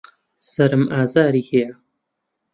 سەرم ئازاری هەیە.